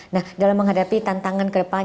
nah dalam menghadapi tantangan ke depan